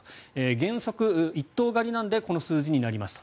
原則１棟借りなのでこの数字になりますと。